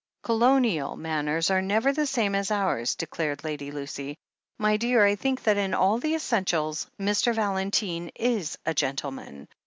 "Colonial manners are never the same as ours," de clared Lady Lucy. "My dear, I think that in all the essentials, Mr. Valentine is a gentleman.